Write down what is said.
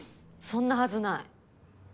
そんなはずない。